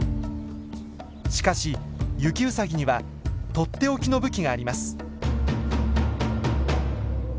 しかしユキウサギにはとっておきの武器があります。